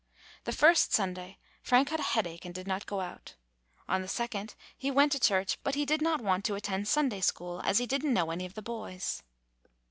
The first Sunday Frank had a headache and did not go out. On the second he went to church, but did not want to attend Sunday school, as he did n't know any of the boys.